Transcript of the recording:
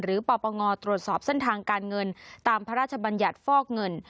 ปปงตรวจสอบเส้นทางการเงินตามพระราชบัญญัติฟอกเงิน